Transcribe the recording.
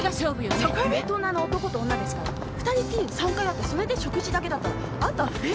大人の男と女ですから二人っきりで３回会ってそれで食事だけだったら後はフェードアウトですよ。